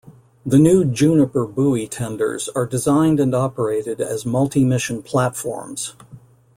The new "Juniper" buoy tenders are designed and operated as multi-mission platforms.